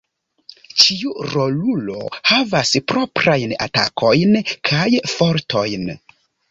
Ĉiu rolulo havas proprajn atakojn kaj fortojn.